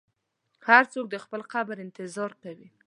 هر څوک د خپل قبر انتظار کوي.